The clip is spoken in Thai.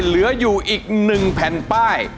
เหลืออยู่อีก๑แผ่นป้าย